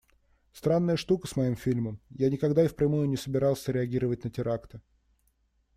Странная штука с моим фильмом – я никогда впрямую не собирался реагировать на теракты.